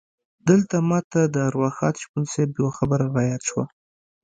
دلته ماته د ارواښاد شپون صیب یوه خبره رایاده شوه.